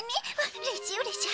うれしいうれしい。